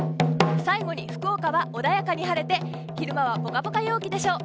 最後に福岡は穏やかに晴れて昼間はポカポカ陽気でしょう。